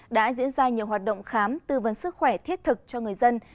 đã diễn ra nhiều hoạt động khám tư vấn sức khỏe thiết thực cho người dân